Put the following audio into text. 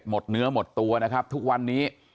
หมดเนื้อหมดตัวนะครับทุกวันนี้